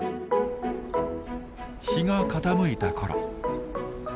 日が傾いた頃。